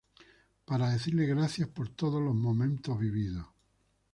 Para decirle "gracias" por todos los momentos vividos.